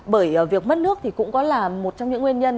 bởi việc mất nước cũng là một trong những nguyên nhân